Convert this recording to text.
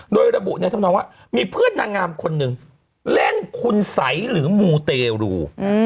โดยระบุในธรรมนองว่ามีเพื่อนนางงามคนหนึ่งเล่นคุณสัยหรือมูเตรู